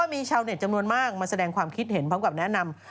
มาแสดงความคิดเห็นพร้อมกับแนะนำ